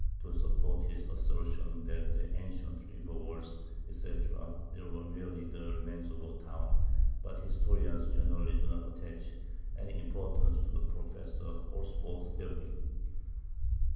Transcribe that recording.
to support his assertion that the ancient river walls, etc., there were really the remains of a town; but historians generally do not attach any importance to Professor Horsford's theory.